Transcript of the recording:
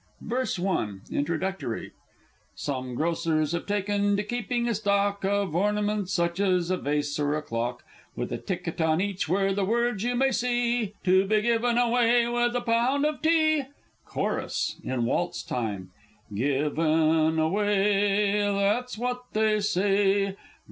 VERSE I. (Introductory.) Some Grocers have taken to keeping a stock Of ornaments such as a vase, or a clock With a ticket on each where the words you may see: "To be given away with a Pound of Tea!" Chorus (in waltz time). "Given away!" That's what they say.